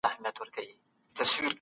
موږ عددونه تر سلو پوري ليکو.